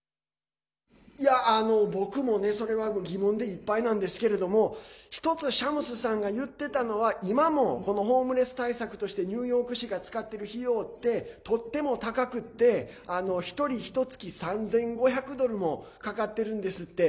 僕も、それは疑問でいっぱいなんですけれども一つ、シャムスさんが言っていたのは今も、このホームレス対策としてニューヨーク市が使っている費用って、とっても高くて１人ひとつき３５００ドルもかかってるんですって。